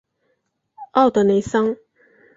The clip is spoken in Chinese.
奥德雷桑。